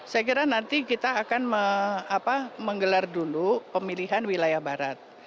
saya kira nanti kita akan menggelar dulu pemilihan wilayah barat